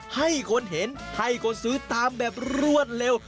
ให้คนเห็นให้คนซื้อตามแบบรวดเร็ว